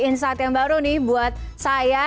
insight yang baru nih buat saya